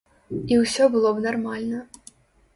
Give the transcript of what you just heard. І ўсё было б нармальна.